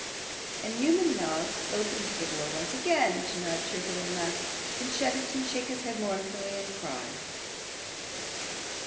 And Newman Noggs opened the door once again to nod cheerfully, and laugh and shut it, to shake his head mournfully, and cry.